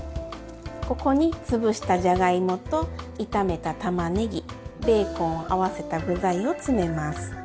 ここにつぶしたじゃがいもと炒めたたまねぎベーコンを合わせた具材を詰めます。